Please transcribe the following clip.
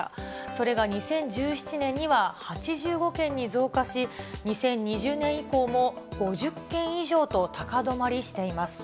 それが２０１７年には８５件に増加し、２０２０年以降も５０件以上と高止まりしています。